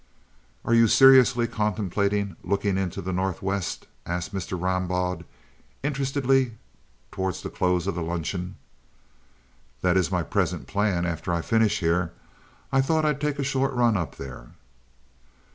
"Are you seriously contemplating looking into the Northwest?" asked Mr. Rambaud, interestedly, toward the close of the luncheon. "That is my present plan after I finish here. I thought I'd take a short run up there."